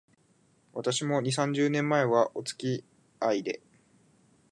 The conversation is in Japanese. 私も、二、三十年前は、おつきあいで